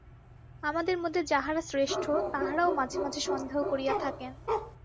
আমাদের মধ্যে যাঁহারা শ্রেষ্ঠ, তাঁহারাও মাঝে মাঝে সন্দেহ করিয়া থাকেন।